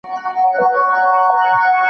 ما تشناب ته د اودس لپاره حرکت وکړ.